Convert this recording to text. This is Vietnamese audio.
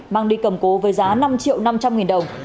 mang đi cầm cố với giá năm triệu năm trăm linh nghìn đồng